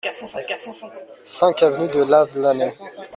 cinq avenue de Lavelanet